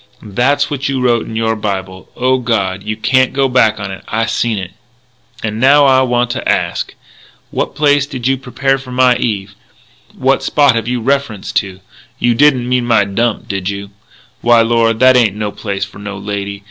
... That's what you wrote into your own Bible, O God! You can't go back on it. I seen it. "And now I wanta to ask, What place did you prepare for my Eve? What spot have you reference to? You didn't mean my 'Dump,' did you? Why, Lord, that ain't no place for no lady....